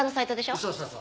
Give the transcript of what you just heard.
そうそうそう。